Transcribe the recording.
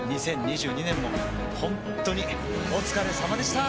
２０２２年もほんっとにお疲れさまでした！